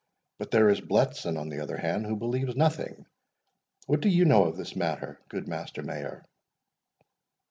But there is Bletson, on the other hand, who believes nothing.—What do you know of this matter, good Master Mayor?"